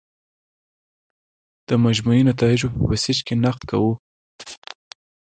د مجموعي نتایجو په بیسج کې نقد کوو.